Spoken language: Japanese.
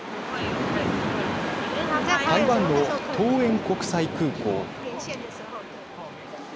台湾の桃園国際空港。